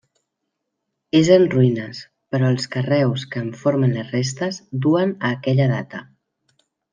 És en ruïnes, però els carreus que en formen les restes duen a aquella data.